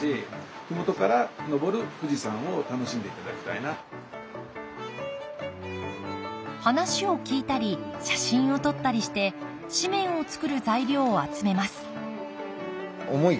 かなり増えてるので話を聞いたり写真を撮ったりして紙面を作る材料を集めます